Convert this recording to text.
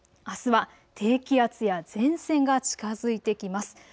あすは低気圧や前線が近づいてきます。